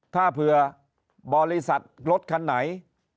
ถ้าเผื่อบริษัทรถคันไหน